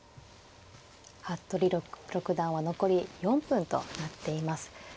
服部六段は残り４分となっています。